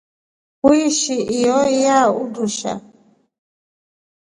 Wishi ihoyaa undushaa.